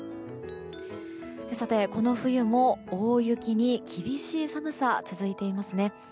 さて、この冬も大雪に厳しい寒さが続いていますね。